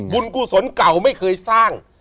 บุญกู้สนเก่าไม่เคยสร้าง